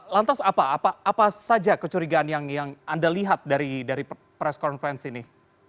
lantas apa apa saja kecurigaan yang anda lihat dari press conference ini